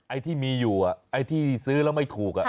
ไอ้ที่มีอยู่ไอ้ที่ซื้อแล้วไม่ถูก